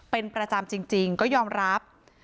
เป็นประจำจริงก็ยอมรับ